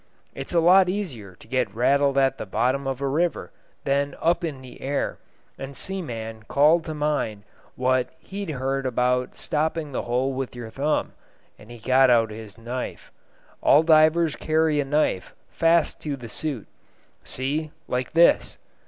It's a lot easier to get rattled at the bottom of a river than up in the air, and Seaman called to mind what he'd heard about stopping the hole with your thumb, and he got out his knife. All divers carry a knife fast to the suit. See, like this."